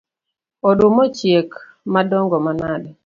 Oduma ochiek madongo manade